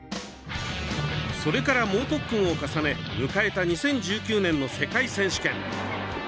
それから猛特訓を重ね迎えた２０１９年の世界選手権。